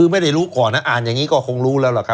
ไม่ได้รู้ก่อนนะอ่านอย่างนี้ก็คงรู้แล้วล่ะครับ